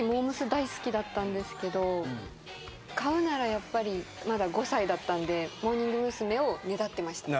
大好きだったんですけど買うならやっぱりまだ５歳だったんでモーニング娘。をねだってました